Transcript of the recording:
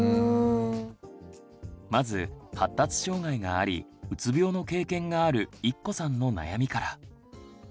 まず発達障害がありうつ病の経験があるいっこさんの悩みから。